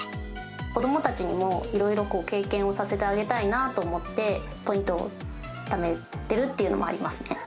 子どもたちにもいろいろ経験をさせてあげたいなと思って、ポイントをためてるっていうのもありますね。